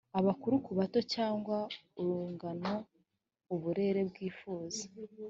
abakuru ku bato cyangwa urungano. uburere bwifuzwa